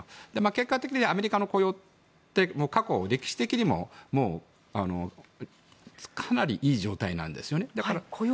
結果的にアメリカの雇用って過去、歴史的にもかなりいい状態なんですよ。